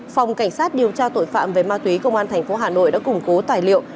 phòng cảnh sát điều tra tội phạm về ma túy công an tp hcm đã củng cố tài liệu